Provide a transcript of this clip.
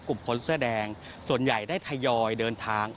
คนเสื้อแดงส่วนใหญ่ได้ทยอยเดินทาง